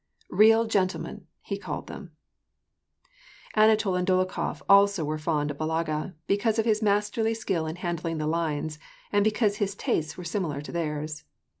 " Real gentlemen " he called them ! Anatol and Dolokhof also were fond of Balaga because of his masterly skill in handling the lines, and because his tastes were similar to theirs.